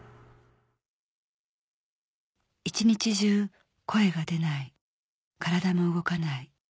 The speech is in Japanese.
一日中声が出ない体も動かない